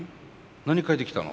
何描いてきたの？